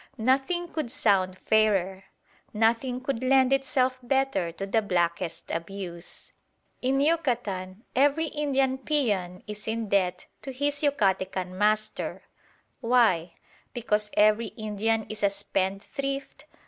Nothing could sound fairer: nothing could lend itself better to the blackest abuse. In Yucatan every Indian peon is in debt to his Yucatecan master. Why? Because every Indian is a spendthrift?